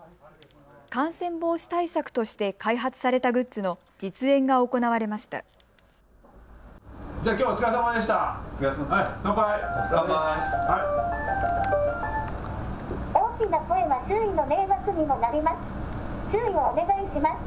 感染防止対策として開発されたグッズの実演が行われました。